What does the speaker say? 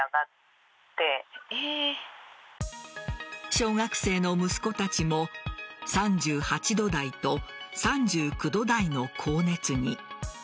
小学生の息子たちも３８度台と３９度台の高熱に。